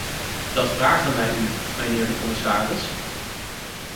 Dat vragen wij u, mijnheer de commissaris.